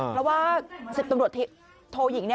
เพราะว่า๑๐ตำรวจโทยิง